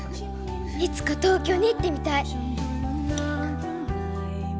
いつか東京に行ってみたい。